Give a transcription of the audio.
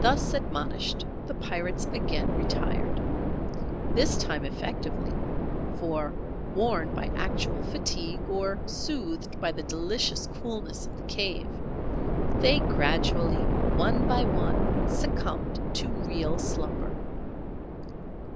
Thus admonished, the pirates again retired. This time effectively, for worn by actual fatigue or soothed by the delicious coolness of the cave, they gradually, one by one, succumbed to real slumber.